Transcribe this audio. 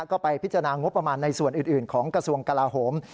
ก็ไปพิจารณางบประมาณในส่วนอื่นของกระทรวงกลาโหม